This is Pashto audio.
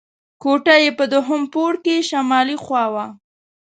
کوټه یې په دویم پوړ کې شمالي خوا وه.